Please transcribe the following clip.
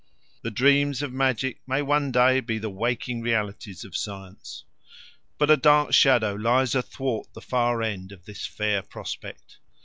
The dreams of magic may one day be the waking realities of science. But a dark shadow lies athwart the far end of this fair prospect.